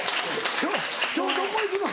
「今日どこ行くの？」